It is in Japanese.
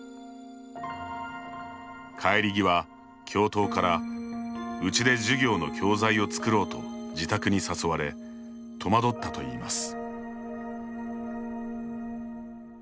帰り際、教頭から「うちで授業の教材を作ろう」と自宅に誘われ戸惑ったといいます。